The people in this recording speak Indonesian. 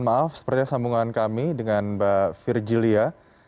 maaf seperti sambungan kami dengan mbak firjilia